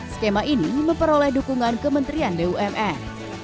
skema ini memperoleh dukungan kementerian bumn